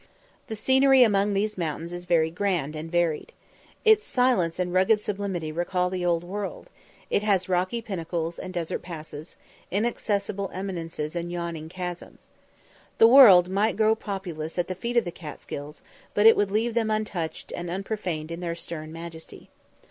The scenery among these mountains is very grand and varied. Its silence and rugged sublimity recall the Old World: it has rocky pinnacles and desert passes, inaccessible eminences and yawning chasms. The world might grow populous at the feet of the Catsgills, but it would leave them untouched and unprofaned in their stern majesty.